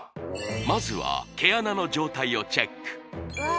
まずは毛穴の状態をチェックうわ